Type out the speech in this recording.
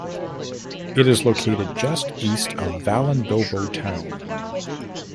It is located just east of Valandovo town.